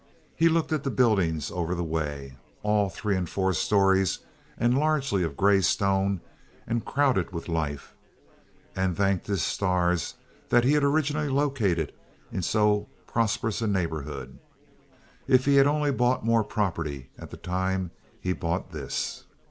He looked at the buildings over the way—all three and four stories, and largely of gray stone and crowded with life—and thanked his stars that he had originally located in so prosperous a neighborhood. If he had only brought more property at the time he bought this!